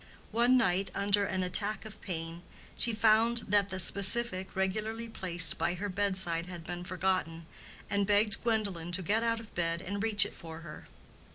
One night under an attack of pain she found that the specific regularly placed by her bedside had been forgotten, and begged Gwendolen to get out of bed and reach it for her.